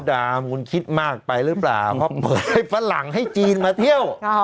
ดาวนคิดมากไปหรือเปล่าเหมือนปะหลังให้จีนมาเที่ยว